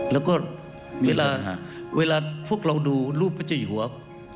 แล้วก็เวลาเวลาพวกเราดูรูปพระเจ้าอยู่หัว